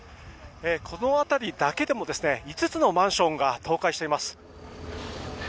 この辺りだけでも５つのマンションが倒壊しています。